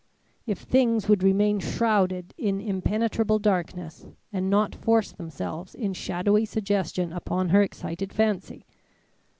If things would remain shrouded in impenetrable darkness, and not force themselves in shadowy suggestion upon her excited fancy!